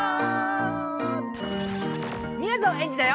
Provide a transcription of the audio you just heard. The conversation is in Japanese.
みやぞんエンジだよ！